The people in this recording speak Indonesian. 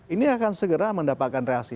ini akan segera mendapatkan reaksi